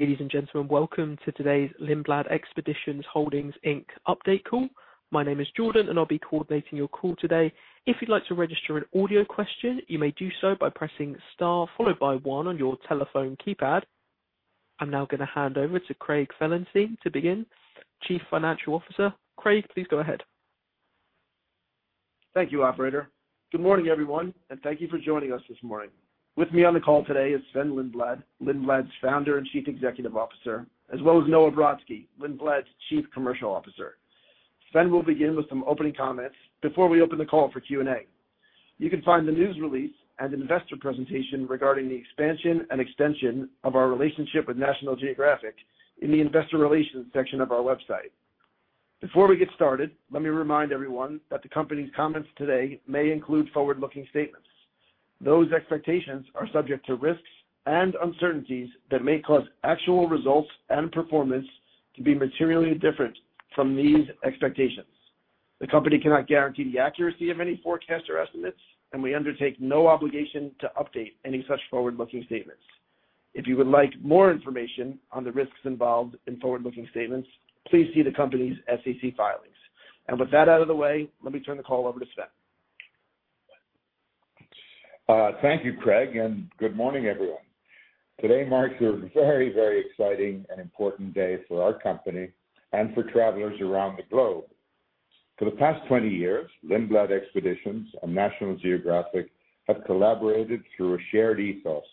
Ladies and gentlemen, welcome to today's Lindblad Expeditions Holdings, Inc. update call. My name is Jordan, and I'll be coordinating your call today. If you'd like to register an audio question, you may do so by pressing star followed by one on your telephone keypad. I'm now gonna hand over to Craig Felenstein to begin, Chief Financial Officer. Craig, please go ahead. Thank you, operator. Good morning, everyone, and thank you for joining us this morning. With me on the call today is Sven Lindblad, Lindblad's Founder and Chief Executive Officer, as well as Noah Brodsky, Lindblad's Chief Commercial Officer. Sven will begin with some opening comments before we open the call for Q&A. You can find the news release and investor presentation regarding the expansion and extension of our relationship with National Geographic in the investor relations section of our website. Before we get started, let me remind everyone that the company's comments today may include forward-looking statements. Those expectations are subject to risks and uncertainties that may cause actual results and performance to be materially different from these expectations. The company cannot guarantee the accuracy of any forecasts or estimates, and we undertake no obligation to update any such forward-looking statements. If you would like more information on the risks involved in forward-looking statements, please see the company's SEC filings. With that out of the way, let me turn the call over to Sven. Thank you, Craig, and good morning, everyone. Today marks a very, very exciting and important day for our company and for travelers around the globe. For the past 20 years, Lindblad Expeditions and National Geographic have collaborated through a shared ethos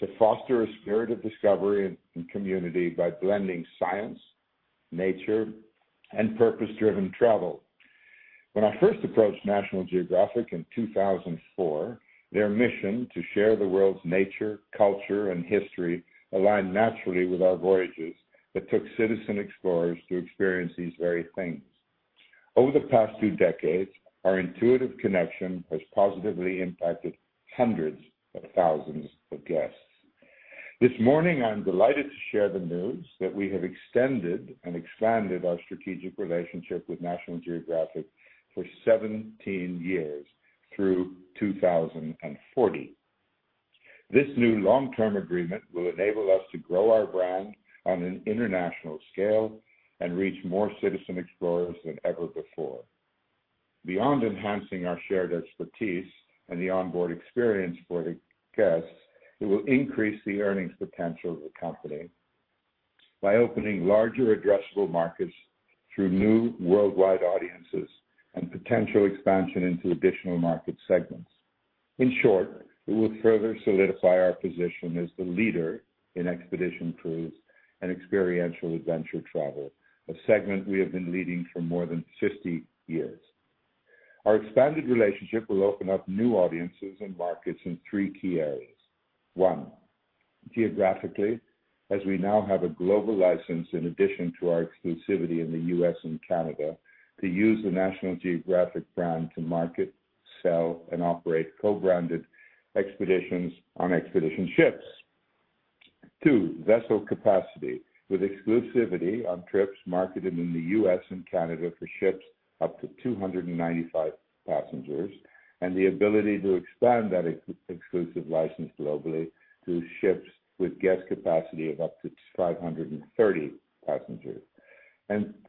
to foster a spirit of discovery and community by blending science, nature, and purpose-driven travel. When I first approached National Geographic in 2004, their mission to share the world's nature, culture, and history aligned naturally with our voyages that took citizen explorers to experience these very things. Over the past two decades, our intuitive connection has positively impacted hundreds of thousands of guests. This morning, I'm delighted to share the news that we have extended and expanded our strategic relationship with National Geographic for 17 years, through 2040. This new long-term agreement will enable us to grow our brand on an international scale and reach more citizen explorers than ever before. Beyond enhancing our shared expertise and the onboard experience for the guests, it will increase the earnings potential of the company by opening larger addressable markets through new worldwide audiences and potential expansion into additional market segments. In short, it will further solidify our position as the leader in expedition cruises and experiential adventure travel, a segment we have been leading for more than 50 years. Our expanded relationship will open up new audiences and markets in three key areas. One, geographically, as we now have a global license, in addition to our exclusivity in the U.S. and Canada, to use the National Geographic brand to market, sell, and operate co-branded expeditions on expedition ships. Two, vessel capacity, with exclusivity on trips marketed in the U.S. and Canada for ships up to 295 passengers, and the ability to expand that exclusive license globally to ships with guest capacity of up to 530 passengers.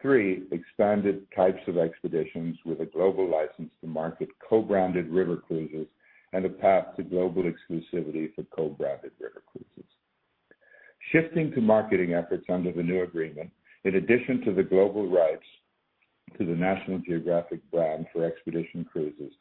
Three, expanded types of expeditions with a global license to market co-branded river cruises and a path to global exclusivity for co-branded river cruises. Shifting to marketing efforts under the new agreement, in addition to the global rights to the National Geographic brand for expedition cruises,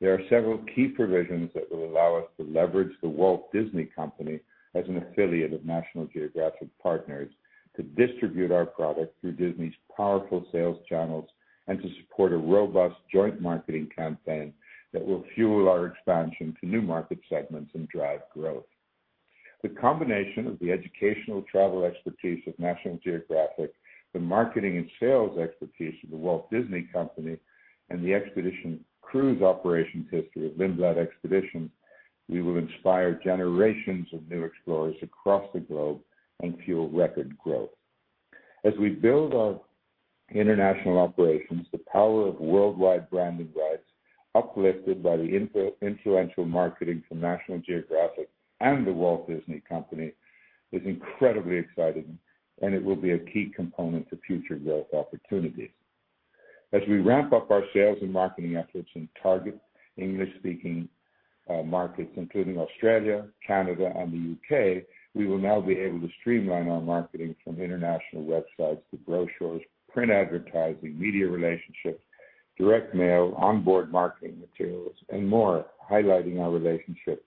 there are several key provisions that will allow us to leverage The Walt Disney Company as an affiliate of National Geographic Partners. To distribute our product through Disney's powerful sales channels and to support a robust joint marketing campaign that will fuel our expansion to new market segments and drive growth. The combination of the educational travel expertise of National Geographic, the marketing and sales expertise of The Walt Disney Company, and the expedition cruise operations history of Lindblad Expeditions, we will inspire generations of new explorers across the globe and fuel record growth. As we build our international operations, the power of worldwide branding rights, uplifted by the influential marketing from National Geographic and The Walt Disney Company, is incredibly exciting, and it will be a key component to future growth opportunities. As we ramp up our sales and marketing efforts in target English-speaking markets, including Australia, Canada, and the U.K., we will now be able to streamline our marketing from international websites to brochures, print advertising, media relationships, direct mail, onboard marketing materials, and more, highlighting our relationship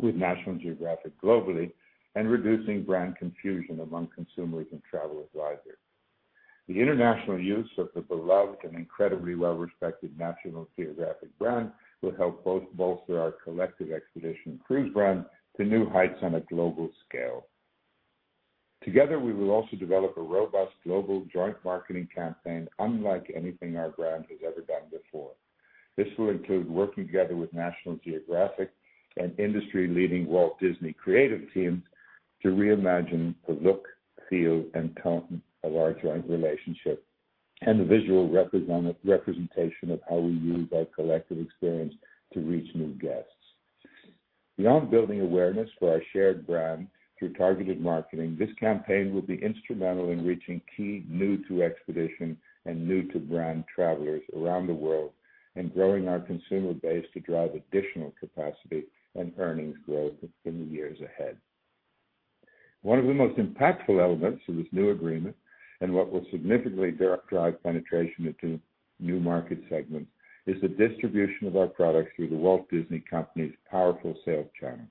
with National Geographic globally and reducing brand confusion among consumers and travel advisors. The international use of the beloved and incredibly well-respected National Geographic brand will help both bolster our collective expedition cruise brand to new heights on a global scale. Together, we will also develop a robust global joint marketing campaign unlike anything our brand has ever done before. This will include working together with National Geographic and industry-leading Walt Disney creative teams to reimagine the look, feel, and tone of our joint relationship and the visual representation of how we use our collective experience to reach new guests. Beyond building awareness for our shared brand through targeted marketing, this campaign will be instrumental in reaching key new-to-expedition and new-to-brand travelers around the world, and growing our consumer base to drive additional capacity and earnings growth in the years ahead. One of the most impactful elements of this new agreement, and what will significantly direct drive penetration into new market segments, is the distribution of our products through The Walt Disney Company's powerful sales channel.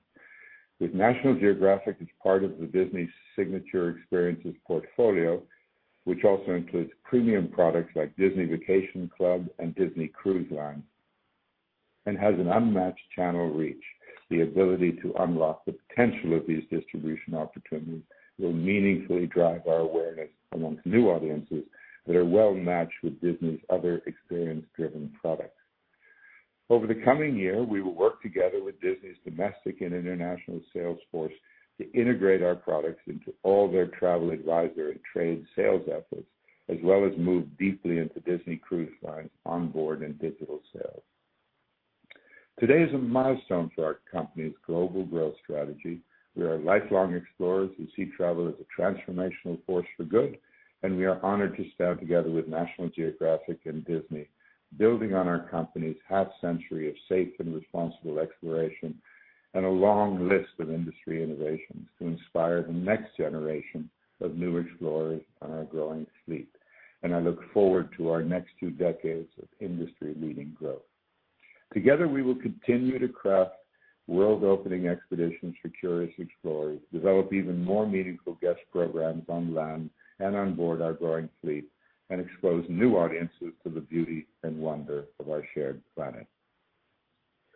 With National Geographic as part of the Disney Signature Experiences portfolio, which also includes premium products like Disney Vacation Club and Disney Cruise Line, and has an unmatched channel reach, the ability to unlock the potential of these distribution opportunities will meaningfully drive our awareness among new audiences that are well matched with Disney's other experience-driven products. Over the coming year, we will work together with Disney's domestic and international sales force to integrate our products into all their travel advisor and trade sales efforts, as well as move deeply into Disney Cruise Line onboard and digital sales. Today is a milestone for our company's global growth strategy. We are lifelong explorers who see travel as a transformational force for good, and we are honored to stand together with National Geographic and Disney, building on our company's half-century of safe and responsible exploration and a long list of industry innovations to inspire the next generation of new explorers on our growing fleet. I look forward to our next two decades of industry-leading growth. Together, we will continue to craft world-opening expeditions for curious explorers, develop even more meaningful guest programs on land and on board our growing fleet, and expose new audiences to the beauty and wonder of our shared planet.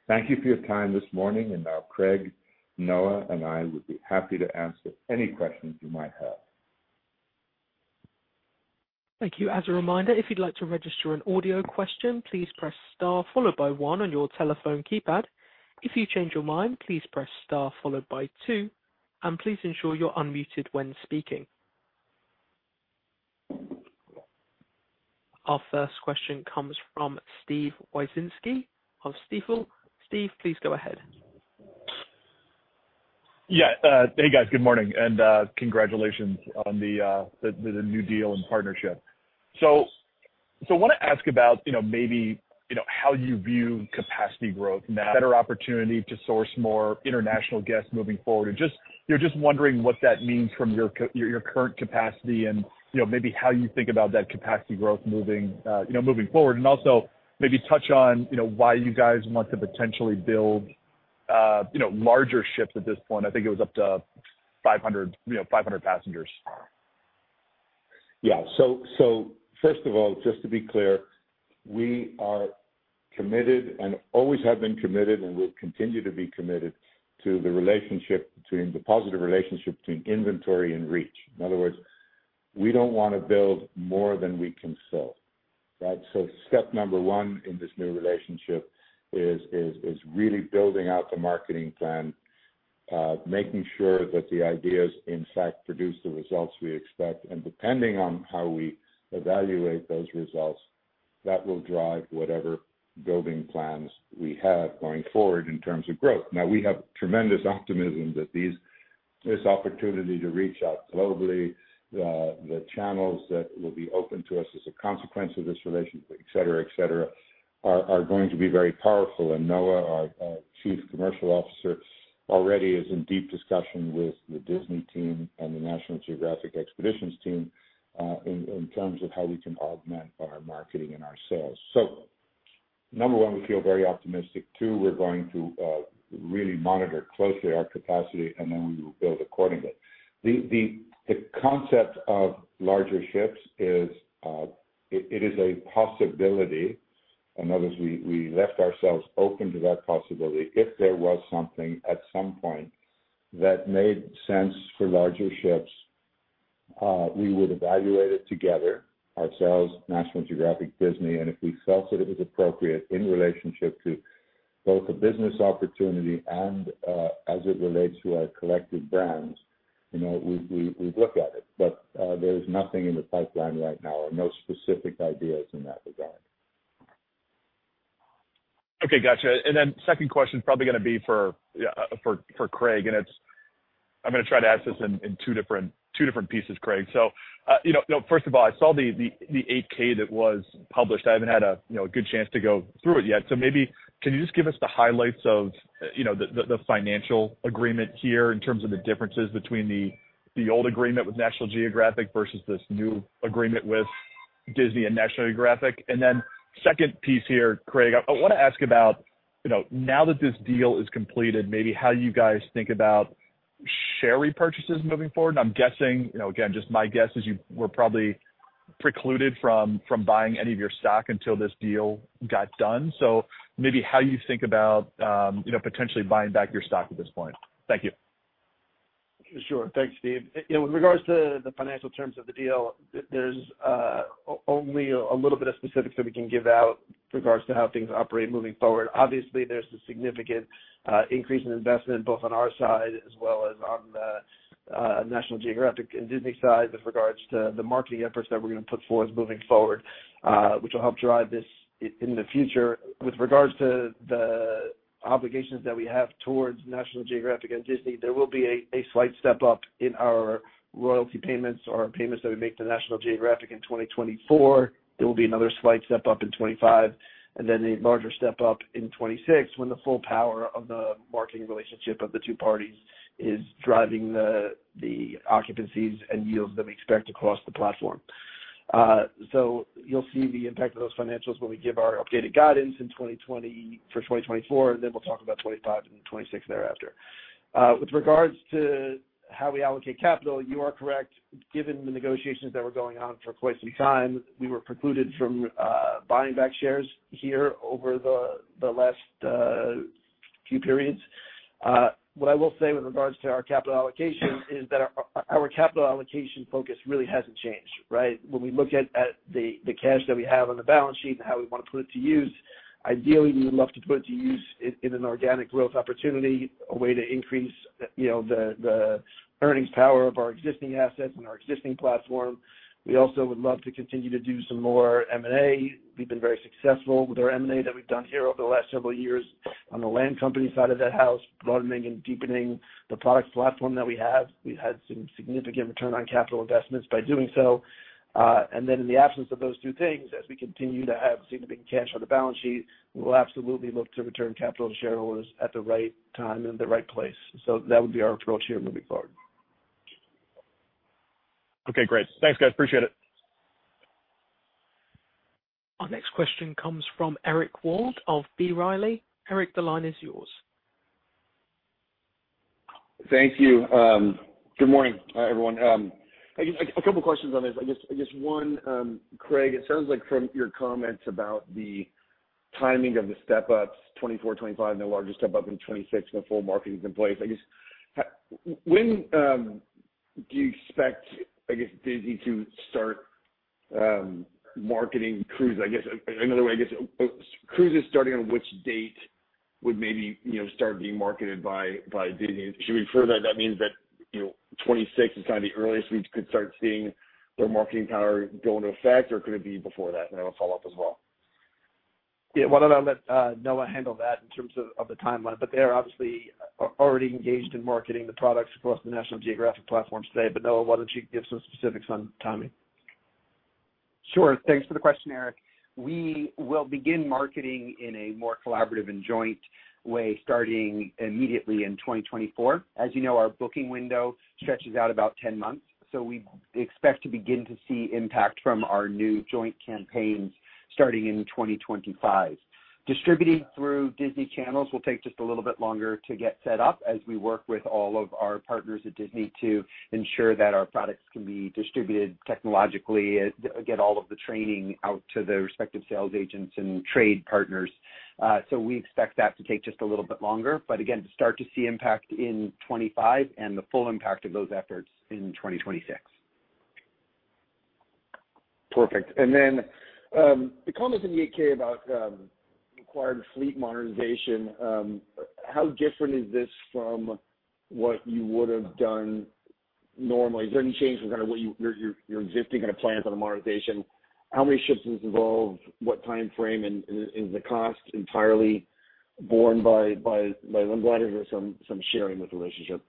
Thank you for your time this morning, and now Craig, Noah, and I would be happy to answer any questions you might have. Thank you. As a reminder, if you'd like to register an audio question, please press star followed by one on your telephone keypad. If you change your mind, please press star followed by two, and please ensure you're unmuted when speaking. Our first question comes from Steve Wieczynski of Stifel. Steve, please go ahead. Yeah. Hey, guys. Good morning, and congratulations on the new deal and partnership. I wanna ask about, you know, maybe how you view capacity growth and the better opportunity to source more international guests moving forward. You're just wondering what that means from your current capacity and, you know, maybe how you think about that capacity growth moving, you know, moving forward. Also maybe touch on, you know, why you guys want to potentially build, you know, larger ships at this point. I think it was up to 500, you know, 500 passengers? Yeah. First of all, just to be clear, we are committed and always have been committed, and will continue to be committed to the relationship between the positive relationship between inventory and reach. In other words, we don't wanna build more than we can sell, right? Step number one in this new relationship is really building out the marketing plan, making sure that the ideas in fact produce the results we expect. Depending on how we evaluate those results, that will drive whatever building plans we have going forward in terms of growth. Now, we have tremendous optimism that this opportunity to reach out globally, the channels that will be open to us as a consequence of this relationship, et cetera, et cetera, are going to be very powerful. Noah, our Chief Commercial Officer, already is in deep discussion with the Disney team and the National Geographic Expeditions team, in terms of how we can augment our marketing and our sales. Number one, we feel very optimistic. Two, we're going to really monitor closely our capacity, and then we will build accordingly. The concept of larger ships is a possibility. In other words, we left ourselves open to that possibility. If there was something at some point that made sense for larger ships, we would evaluate it together, ourselves, National Geographic, Disney. If we felt that it was appropriate in relationship to both a business opportunity and, as it relates to our collective brands, you know, we, we'd look at it. There is nothing in the pipeline right now or no specific ideas in that regard. Okay, gotcha. Then second question is probably gonna be for Craig, and it's, I'm gonna try to ask this in two different pieces, Craig. You know, first of all, I saw the 8-K that was published. I haven't had a, you know, a good chance to go through it yet. Maybe can you just give us the highlights of, you know, the financial agreement here in terms of the differences between the old agreement with National Geographic versus this new agreement with Disney and National Geographic? Then second piece here, Craig, I wanna ask about, you know, now that this deal is completed, maybe how you guys think about share repurchases moving forward. I'm guessing, you know, again, just my guess is you were probably precluded from buying any of your stock until this deal got done. Maybe how you think about, you know, potentially buying back your stock at this point? Thank you. Sure. Thanks, Steve. You know, with regards to the financial terms of the deal, there's only a little bit of specifics that we can give out with regards to how things operate moving forward. Obviously, there's a significant increase in investment, both on our side as well as on the National Geographic and Disney side with regards to the marketing efforts that we're gonna put forth moving forward, which will help drive this in the future. With regards to the obligations that we have towards National Geographic and Disney, there will be a slight step up in our royalty payments or payments that we make to National Geographic in 2024. There will be another slight step up in 2025, and then a larger step up in 2026, when the full power of the marketing relationship of the two parties is driving the occupancies and yields that we expect across the platform. You'll see the impact of those financials when we give our updated guidance in 2024, and then we'll talk about 2025 and 2026 thereafter. With regards to how we allocate capital, you are correct. Given the negotiations that were going on for quite some time, we were precluded from buying back shares here over the last few periods. What I will say with regards to our capital allocation is that our capital allocation focus really hasn't changed, right? When we look at the cash that we have on the balance sheet and how we want to put it to use, ideally, we would love to put it to use in an organic growth opportunity, a way to increase, you know, the earnings power of our existing assets and our existing platform. We also would love to continue to do some more M&A. We've been very successful with our M&A that we've done here over the last several years on the land company side of that house, broadening and deepening the product platform that we have. We've had some significant return on capital investments by doing so. Then in the absence of those two things, as we continue to have significant cash on the balance sheet, we'll absolutely look to return capital to shareholders at the right time and the right place. That would be our approach here moving forward. Okay, great. Thanks, guys. Appreciate it. Our next question comes from Eric Wold of B. Riley. Eric, the line is yours. Thank you. Good morning. Hi, everyone. A couple questions on this. I guess one, Craig, it sounds like from your comments about the timing of the step-ups, 2024, 2025, and the larger step-up in 2026, when the full marketing is in place. I guess, when do you expect, I guess, Disney to start marketing cruises? I guess, another way, I guess, cruises starting on which date would maybe, you know, start being marketed by Disney? Should we infer that that means that, you know, 2026 is kind of the earliest we could start seeing their marketing power go into effect, or could it be before that? I have a follow-up as well. Yeah, why don't I let Noah handle that in terms of the timeline? They are obviously already engaged in marketing the products across the National Geographic platform today. Noah, why don't you give some specifics on timing? Sure. Thanks for the question, Eric. We will begin marketing in a more collaborative and joint way, starting immediately in 2024. As you know, our booking window stretches out about 10 months, so we expect to begin to see impact from our new joint campaigns starting in 2025. Distributing through Disney channels will take just a little bit longer to get set up as we work with all of our partners at Disney to ensure that our products can be distributed technologically, get all of the training out to the respective sales agents and trade partners. We expect that to take just a little bit longer, but again, start to see impact in 2025 and the full impact of those efforts in 2026. Perfect. Then, the comments in the 8-K about required fleet modernization, how different is this from what you would have done normally? Has anything changed in kind of what your existing kind of plans on the modernization? How many ships does this involve? What timeframe, and is the cost entirely borne by Lindblad, or is there some sharing with relationship?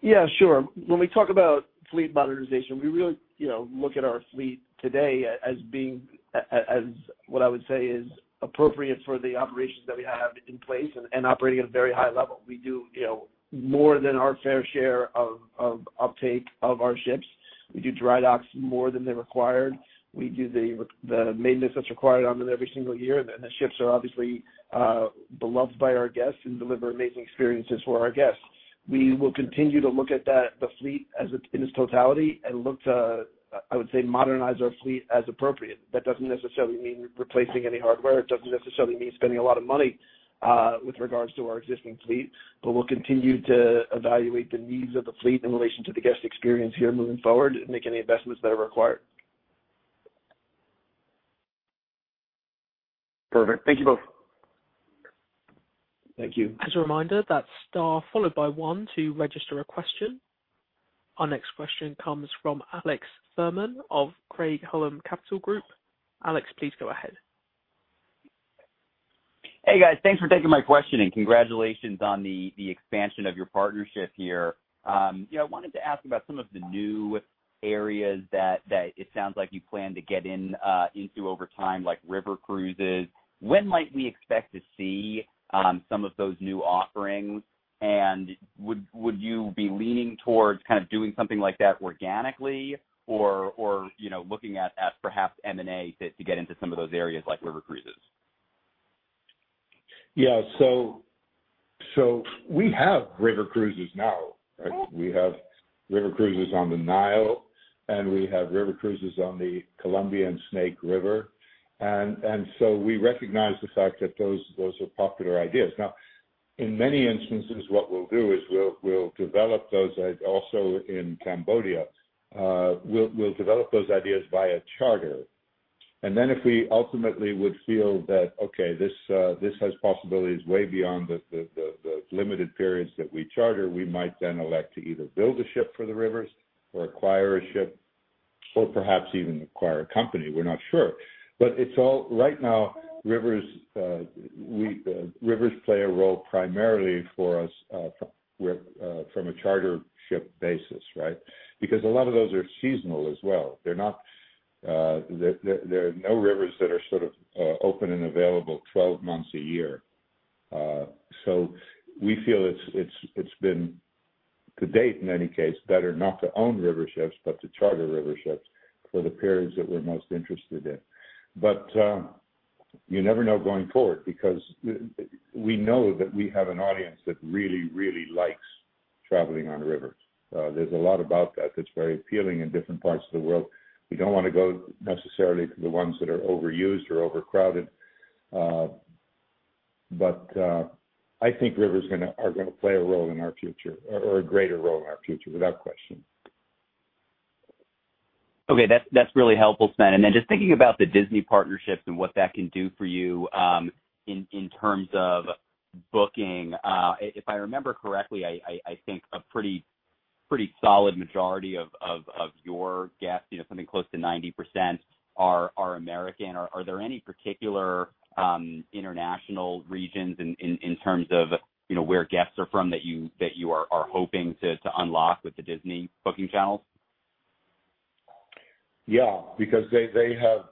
Yeah, sure. When we talk about fleet modernization, we really, you know, look at our fleet today as being as what I would say is appropriate for the operations that we have in place and operating at a very high level. We do, you know, more than our fair share of upkeep of our ships. We do dry docks more than they're required. We do the maintenance that's required on them every single year, and the ships are obviously beloved by our guests and deliver amazing experiences for our guests. We will continue to look at that, the fleet, as it's in its totality and look to, I would say, modernize our fleet as appropriate. That doesn't necessarily mean replacing any hardware. It doesn't necessarily mean spending a lot of money, with regards to our existing fleet, but we'll continue to evaluate the needs of the fleet in relation to the guest experience here moving forward and make any investments that are required. Perfect. Thank you both. Thank you. As a reminder, that's star followed by one to register a question. Our next question comes from Alex Fuhrman of Craig-Hallum Capital Group. Alex, please go ahead. Hey, guys. Thanks for taking my question and congratulations on the expansion of your partnership here. Yeah, I wanted to ask about some of the new areas that it sounds like you plan to get into over time, like river cruises. When might we expect to see some of those new offerings? Would you be leaning towards kind of doing something like that organically or, you know, looking at perhaps M&A to get into some of those areas, like river cruises? Yeah, so, so we have river cruises now, right? We have river cruises on the Nile, and we have river cruises on the Columbia and Snake River. We recognize the fact that those, those are popular ideas. Now, in many instances, what we'll do is we'll, we'll develop those also in Cambodia. We'll, we'll develop those ideas via charter. Then if we ultimately would feel that, okay, this, this has possibilities way beyond the limited periods that we charter, we might then elect to either build a ship for the rivers or acquire a ship or perhaps even acquire a company. We're not sure. It's all right now, rivers, we, rivers play a role primarily for us, from, from a charter ship basis, right? Because a lot of those are seasonal as well. There are no rivers that are sort of open and available 12 months a year. We feel it's been, to date, in any case, better not to own river ships, but to charter river ships for the periods that we're most interested in. You never know going forward, because we know that we have an audience that really, really likes traveling on rivers. There's a lot about that that's very appealing in different parts of the world. We don't want to go necessarily to the ones that are overused or overcrowded, but I think rivers are gonna play a role in our future, or a greater role in our future, without question. Okay, that's really helpful, Sven. Then just thinking about the Disney partnerships and what that can do for you in terms of booking. If I remember correctly, I think a pretty solid majority of your guests, you know, something close to 90%, are American. Are there any particular international regions in terms of, you know, where guests are from, that you are hoping to unlock with the Disney booking channels? Yeah, because they have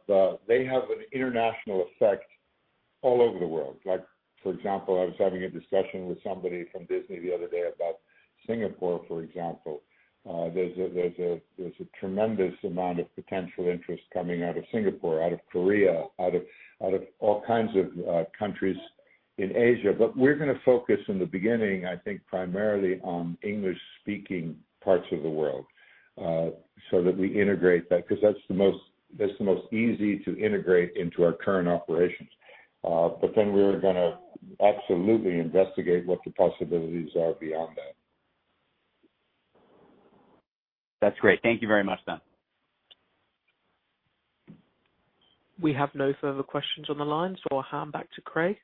an international effect all over the world. Like, for example, I was having a discussion with somebody from Disney the other day about Singapore, for example. There's a tremendous amount of potential interest coming out of Singapore, out of Korea, out of all kinds of countries in Asia. We're gonna focus in the beginning, I think, primarily on English-speaking parts of the world, so that we integrate that, because that's the most easy to integrate into our current operations. Then we're gonna absolutely investigate what the possibilities are beyond that. That's great. Thank you very much, Sven. We have no further questions on the line, so I'll hand back to Craig.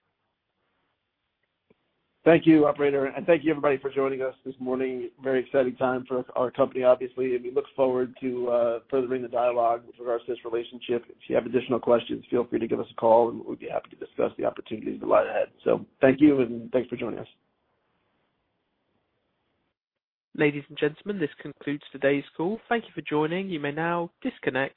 Thank you, operator, and thank you, everybody, for joining us this morning. Very exciting time for our company, obviously, and we look forward to furthering the dialogue with regards to this relationship. If you have additional questions, feel free to give us a call, and we'd be happy to discuss the opportunities that lie ahead. Thank you, and thanks for joining us. Ladies and gentlemen, this concludes today's call. Thank you for joining. You may now disconnect.